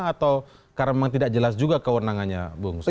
atau karena memang tidak jelas juga kewenangannya bu nusrat